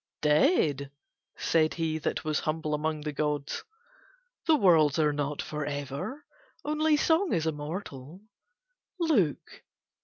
"Dead," said he that was humble among the gods. "The worlds are not for ever; only song is immortal." "Look!